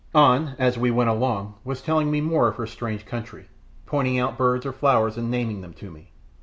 An, as we went along, was telling me more of her strange country, pointing out birds or flowers and naming them to me.